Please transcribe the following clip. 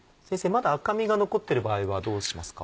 まだ赤みが残ってる場合はどうしますか？